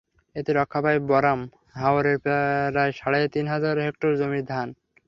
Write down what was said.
এতে রক্ষা পায় বরাম হাওরের প্রায় সাড়ে তিন হাজার হেক্টর জমির ধান।